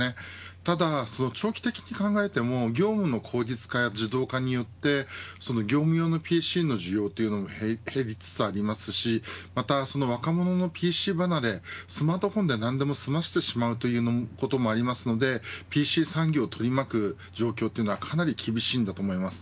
ただ、長期的に考えても業務の効率化や自動化によって業務用のＰＣの需要というのは減りつつありますしまた、若者のＰＣ離れスマートフォンで何でも済ましてしまうということもありますのでＰＣ産業を取り巻く状況はかなり厳しいと思います。